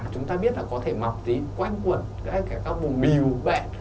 chúng ta biết là có thể mọc tí quanh quần gai cả các bồn mìu bẹn